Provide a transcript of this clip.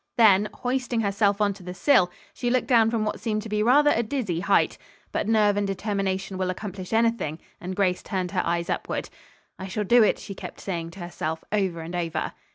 Then, hoisting herself onto the sill, she looked down from what seemed to be rather a dizzy height. But nerve and determination will accomplish anything, and Grace turned her eyes upward. "I shall do it," she kept saying to herself over and over.